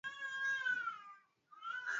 siwezi kuwafanyia mahesabu ya kuchosha